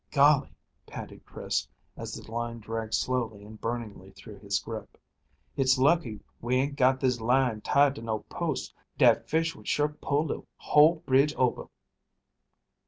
"Golly!" panted Chris, as the line dragged slowly and burningly through his grip. "Hit's lucky we ain't got this line tied to no post. Dat fish would sure pull de whole bridge ober."